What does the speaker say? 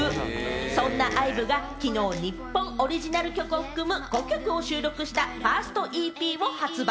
そんなＩＶＥがきのう、日本オリジナル曲を含む５曲を収録した、ファーストＥＰを発売。